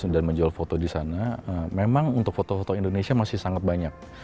dan menjual foto di sana memang untuk foto foto indonesia masih sangat banyak